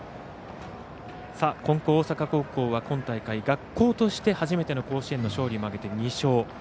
金光大阪高校は今大会、学校として初めての甲子園の勝利を挙げて２勝。